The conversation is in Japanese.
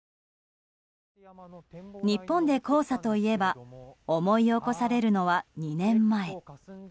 日本で黄砂といえば思い起こされるのは２年前。